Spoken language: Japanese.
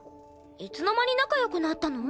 いつの間に仲良くなったの？